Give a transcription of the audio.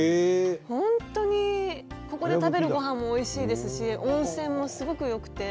本当にここで食べるごはんもおいしいですし温泉もすごく良くて。